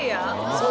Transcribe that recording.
そう。